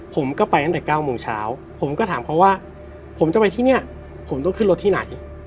ผมก็ไปตั้งแต่๙โมงเช้าผมก็ถามเขาว่าผมจะไปที่เนี่ยผมต้องขึ้นรถที่ไหน